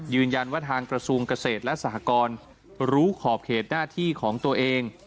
ยืนยันว่าทางกระทรวงเกษตรและสหกรรู้ขอบเขตหน้าที่ของตัวเอง